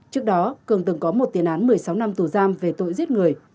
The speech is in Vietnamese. trước đó cường từng có một tiền án một mươi sáu năm tù giam về tội giết người